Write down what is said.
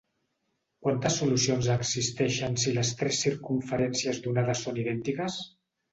Quantes solucions existeixen si les tres circumferències donades són idèntiques?